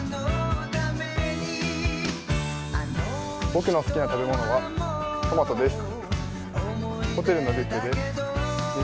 僕の好きな食べ物はトマトです。